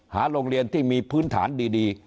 โรงเรียนที่มีพื้นฐานดี